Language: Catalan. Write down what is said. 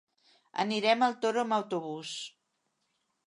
Anirem al Toro amb autobús.